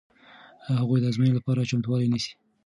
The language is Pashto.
هغوی د ازموینې لپاره چمتووالی نیسي.